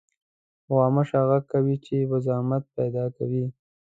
غوماشه غږ کوي چې مزاحمت پېدا کوي.